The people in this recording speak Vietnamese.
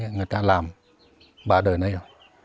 người ta làm ba đời này rồi